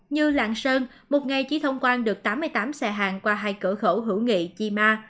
như lạng sơn một ngày chỉ thông quan được tám mươi tám xe hàng qua hai cửa khẩu hữu nghị chi ma